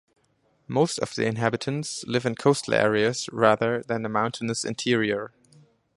Most of the inhabitants live in coastal areas rather than the mountainous interior.